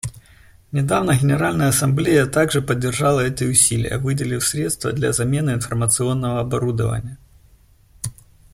Недавно Генеральная Ассамблея также поддержала эти усилия, выделив средства для замены информационного оборудования.